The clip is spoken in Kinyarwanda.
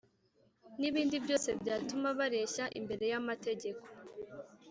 n’ibindi byose byatuma bareshya imbere y’amategeko